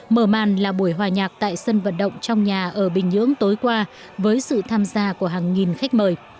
mở màn là buổi hòa nhạc tại sân vận động trong nhà ở bình nhưỡng tối qua với sự tham gia của hàng nghìn khách mời